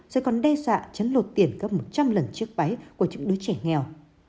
rồi còn đe dọa chấn lột tiền gấp một trăm linh lần trước váy của những đứa trẻ nghèo